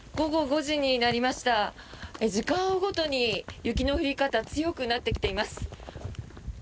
時間を追うごとに雪の降り方強くなってきています。